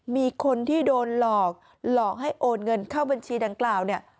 มีคนที่โดนหลอกหลอกให้โอนเงินเข้าบัญชีดังกล่าวเนี่ย